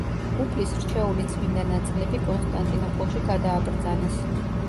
უფლის რჩეულის წმინდა ნაწილები კონსტანტინოპოლში გადააბრძანეს.